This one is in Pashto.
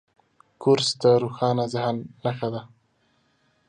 کورس د روښانه ذهن نښه ده.